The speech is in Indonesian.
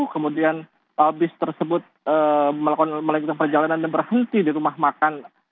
kemudian bis tersebut melakukan perjalanan dan berhenti di rumah makan